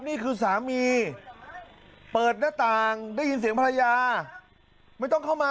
นี่คือสามีเปิดหน้าต่างได้ยินเสียงภรรยา